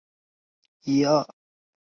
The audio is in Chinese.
仕至湖广按察使司副使。